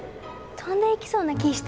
飛んでいきそうな気ぃした。